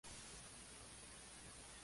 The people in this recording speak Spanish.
John William Ingram